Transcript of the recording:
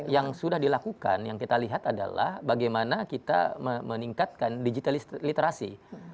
yang sudah dilakukan yang kita lihat adalah bagaimana kita meningkatkan digital literasi